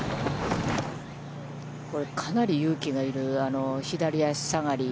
これかなり勇気のいる左足下がり。